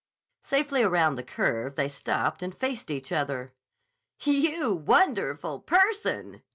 Safely around the curve they stopped and faced each other. "You wonderful person!"